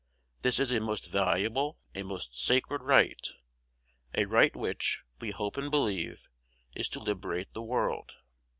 This is a most valuable, a most sacred right, a right which, we hope and believe, is to liberate the world.